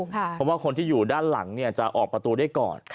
เพราะว่าคนที่อยู่ด้านหลังจะออกประตูได้ก่อน